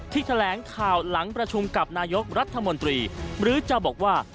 แถลงข่าวหลังประชุมกับนายกรัฐมนตรีหรือจะบอกว่า